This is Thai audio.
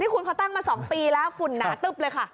คุณเขาตั้งมา๒ปีแล้วฝุ่นหนาตึ๊บเลยค่ะ